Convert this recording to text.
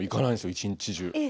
一日中。